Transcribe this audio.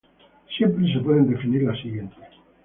Siempre se pueden definir las siguientes.